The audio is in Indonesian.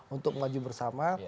untuk maju bersama